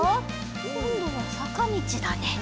こんどはさかみちだね。